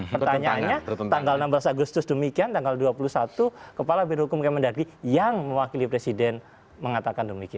pertanyaannya tanggal enam belas agustus demikian tanggal dua puluh satu kepala birohukum kemendagri yang mewakili presiden mengatakan demikian